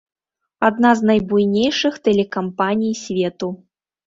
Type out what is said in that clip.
Адна з найбуйнейшых тэлекампаній свету.